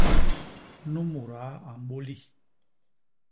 Nu mudaa a mbôli.